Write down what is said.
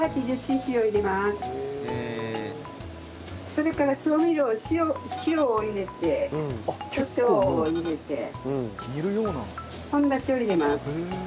それから調味料塩を入れてコショウを入れてほんだしを入れます。